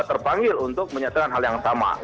terpanggil untuk menyatakan hal yang sama